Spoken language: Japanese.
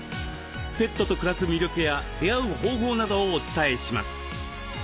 ペットと暮らす魅力や出会う方法などをお伝えします。